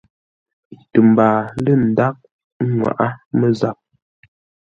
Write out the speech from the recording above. Tə mbaa lə ndághʼ nŋwaʼá mə́zap.